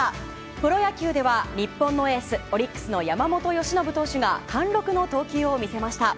プロ野球では日本のエースオリックスの山本由伸投手が貫禄の投球を見せました。